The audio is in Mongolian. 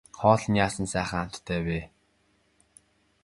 Хоол нь яасан сайхан амттай вэ.